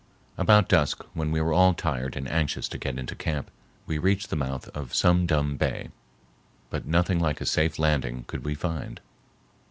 About dusk, when we were all tired and anxious to get into camp, we reached the mouth of Sum Dum Bay, but nothing like a safe landing could we find.